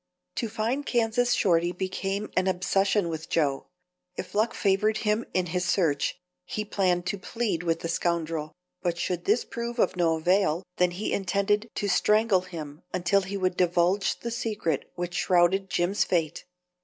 To find Kansas Shorty became an obsession with Joe. If luck favored him in his search, he planned to plead with the scoundrel, but should this prove of no avail, then he intended to strangle him until he would divulge the secret which shrouded Jim's fate.